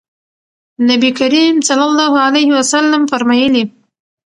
نبي کريم صلی الله عليه وسلم فرمايلي: